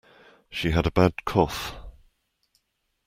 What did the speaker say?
She had a bad cough.